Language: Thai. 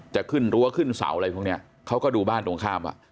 จะขึ้นรั้วขึ้นเสาอะไรพวกนี้เขาก็ดูบ้านตรงข้ามอ่ะ